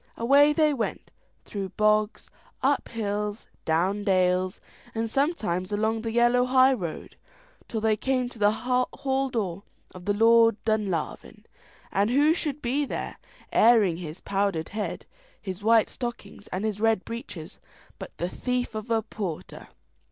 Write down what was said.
Away they went, through bogs, up hills, down dales, and sometimes along the yellow high road, till they came to the hall door of the Lord of Dunlavin, and who should be there, airing his powdered head, his white stockings, and his red breeches, but the thief of a porter.